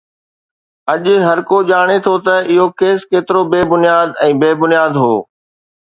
اڄ هرڪو ڄاڻي ٿو ته اهو ڪيس ڪيترو بي بنياد ۽ بي بنياد هو